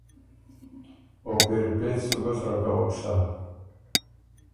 او پېری پېڅ سُو ګۀ سرۀ کوَک سَۀ۔